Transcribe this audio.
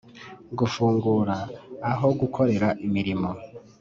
gufungura aho gukorera imirimo